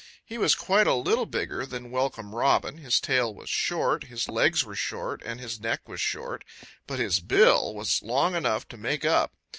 He was quite a little bigger than Welcome Robin, his tail was short, his legs were short, and his neck was short. But his bill was long enough to make up.